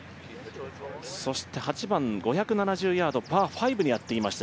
そして８番、５７０ヤードパー５にやってきました